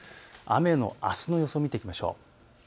雨のあすの予想を見ていきましょう。